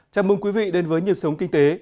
chào mừng quý vị đến với nhịp sống kinh tế